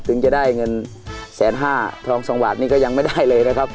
ถึงจะได้เงินแสนห้าทอง๒บาทนี่ก็ยังไม่ได้เลยนะครับ